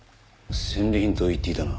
戦利品と言っていたな。